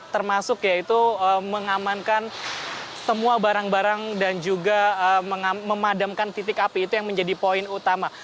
termasuk yaitu mengamankan semua barang barang dan juga memadamkan titik api itu yang menjadi poin utama